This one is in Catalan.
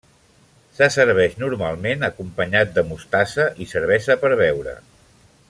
Se serveix normalment acompanyat de mostassa i cervesa per beure.